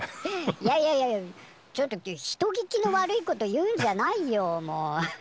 いやいやいやちょっと人聞きの悪いこと言うんじゃないよもう！